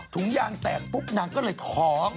ถุงยางแตกปุ๊บนางก็เลยท้อง